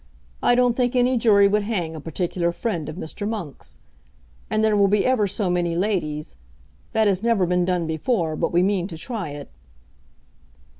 I don't think any jury would hang a particular friend of Mr. Monk's. And there will be ever so many ladies. That has never been done before, but we mean to try it."